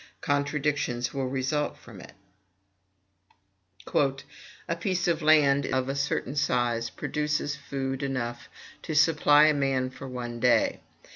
Contradictions will result from it. "A piece of land of a certain size produces food enough to supply a man for one day.